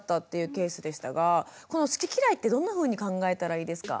この好き嫌いってどんなふうに考えたらいいですか？